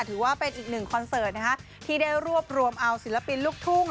ถือว่าเป็นอีกหนึ่งคอนเสิร์ตที่ได้รวบรวมเอาศิลปินลูกทุ่ง